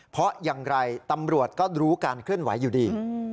เพราะอย่างไรตำรวจก็รู้การเคลื่อนไหวอยู่ดี